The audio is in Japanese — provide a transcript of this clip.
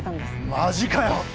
マジかよ！？